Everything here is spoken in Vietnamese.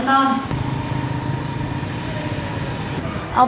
xin cảm ơn con